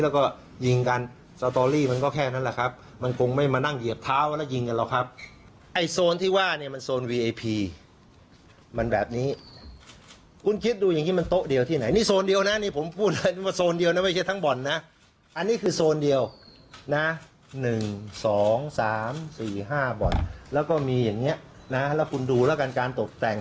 แล้วก็มีอย่างนี้แล้วคุณดูการย์ตกแต่ง